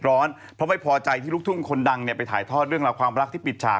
ก็ไม่พอใจที่ลุกทุ่มคนดังไปถ่ายทอดเรื่องหลับความรักที่ปิดฉาก